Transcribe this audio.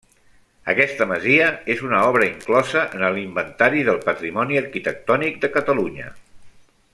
Aquesta masia és una obra inclosa en l'Inventari del Patrimoni Arquitectònic de Catalunya.